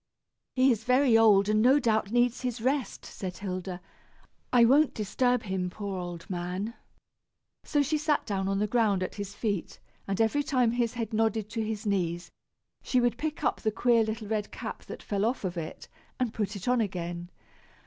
"He is very old, and no doubt needs his rest," said Hilda; "I won't disturb him, poor old man." So she sat down on the ground at his feet, and every time his head nodded to his knees, she would pick up the queer little red cap that fell off of it, and put it on again.